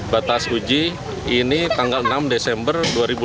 batas uji ini tanggal enam desember dua ribu dua puluh